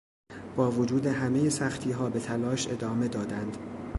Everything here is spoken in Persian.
با وجود همه سختیها به تلاش ادامه دادند.